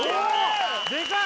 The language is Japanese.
でかい！